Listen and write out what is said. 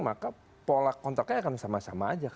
maka pola kontraknya akan sama sama aja